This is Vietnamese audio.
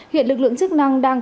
hiện lực lượng chức năng đang